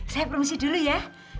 saya promosi dulu ya